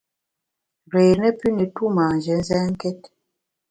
Réé ne pü ne tu manjé nzènkét !